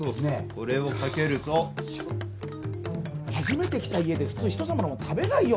これをかけると初めて来た家で普通人さまのもの食べないよ